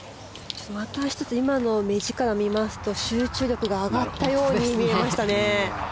また１つ今の目力を見ますと集中力が上がったように見えましたね。